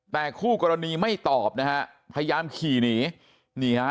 แต่คู่กรณีไม่ตอบนะฮะพยายามขี่หนีนี่ฮะ